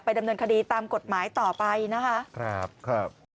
ดำเนินคดีตามกฎหมายต่อไปนะคะครับ